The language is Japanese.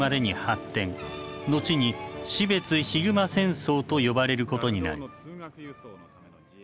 後に標津ヒグマ戦争と呼ばれることになる。